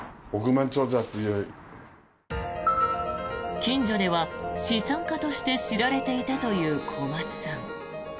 近所では資産家として知られていたという小松さん。